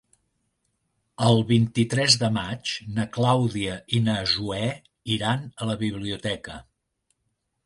El vint-i-tres de maig na Clàudia i na Zoè iran a la biblioteca.